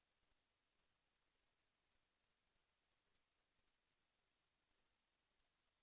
ก็ไม่ได้หลายครั้งขนาดนั้นหรอกค่ะ